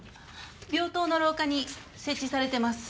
病棟の廊下に設置されてます。